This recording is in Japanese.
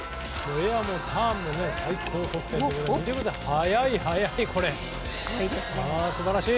エアもターンも最高得点で速い、速い。